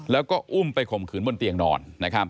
แล้วก็อุ้มไปข่มขืนบนเตียงนอน